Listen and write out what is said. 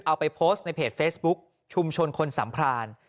เอาไปโพสต์ในเพจเฟซบุ๊คชุมชนคนสัมพราน